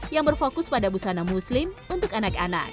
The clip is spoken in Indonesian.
yang berfokus pada busana muslim untuk anak anak